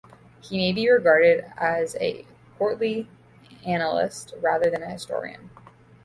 He may be regarded as a courtly annalist rather than an historian.